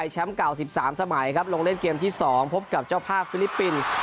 เก่า๑๓สมัยครับลงเล่นเกมที่๒พบกับเจ้าภาพฟิลิปปินส์